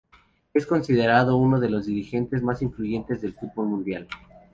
Es considerado uno de los dirigentes más influyentes del fútbol mundial.